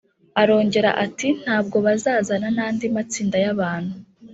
Arongera ati “Ntabwo bazazana n’andi matsinda y’abantu